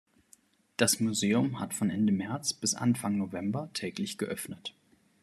Das Museum hat von Ende März bis Anfang November täglich geöffnet.